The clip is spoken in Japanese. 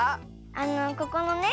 あのここのね